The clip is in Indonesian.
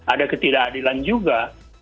ada ketidakadilan juga